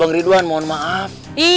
aku akan menganggap